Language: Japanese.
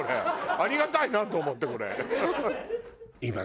ありがたいなって思ってこれ。